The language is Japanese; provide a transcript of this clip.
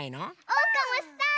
おうかもしたい！